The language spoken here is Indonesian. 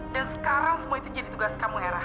dan sekarang semua itu jadi tugas kamu hera